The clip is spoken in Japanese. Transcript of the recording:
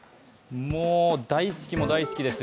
もう大好きも大好きです。